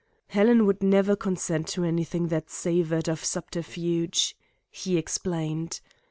"Helen would never consent to anything that savoured of subterfuge," he explained.